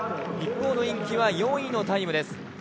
一方のイン・キは４位のタイムです。